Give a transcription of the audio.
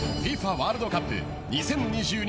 ワールドカップ２０２２